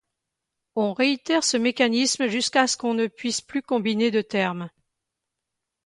On réitère ce mécanisme jusqu'à ce qu'on ne puisse plus combiner de termes.